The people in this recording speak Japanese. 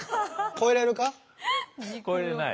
超えれない。